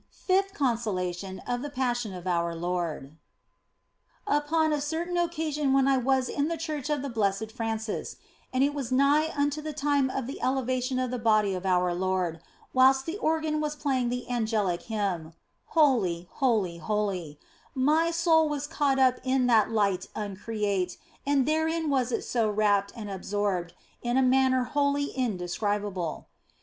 FIFTH CONSOLATION OF THE PASSION OF OUR LORD UPON a certain occasion when I was in the church of the Blessed Francis, and it was nigh unto the time of the elevation of the Body of our Lord, whilst the organ was playing the angelic hymn, " Holy, holy, holy," my soul was caught up in that Light uncreate, and therein was it so rapt and absorbed in a manner wholly in describable.